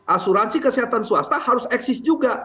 asuransi kesehatan swasta harus eksis juga